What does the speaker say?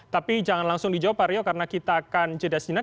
tapi jangan langsung dijawab pak rio karena kita akan jeda sejenak